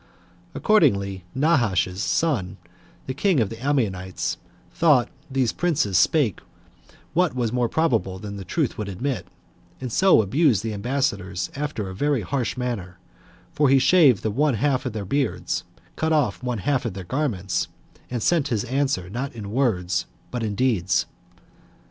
Accordingly Nahash's [son], the king of the Ammonites, thought these princes spake what was more probable than the truth would admit, and so abused the ambassadors after a very harsh manner; for he shaved the one half of their beards, and cut off one half of their garments, and sent his answer, not in words, but in deeds.